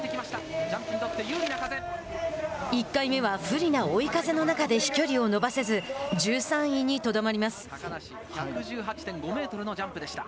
１回目は不利な追い風の中で飛距離を伸ばせず１３位にとどまります。